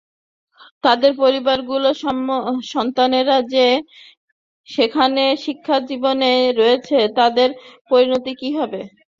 তাঁদের পরিবারগুলোর সন্তানেরা যে যেখানে শিক্ষাজীবনে রয়েছে, তাদের পরিণতি কী হবে?